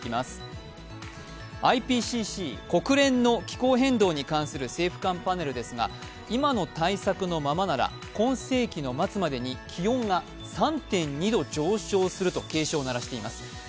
ＩＰＣＣ＝国連の気候変動に関する政府間パネルですが、今の対策のままなら今世紀の末までに気温が３．２度上昇すると警鐘を鳴らしています。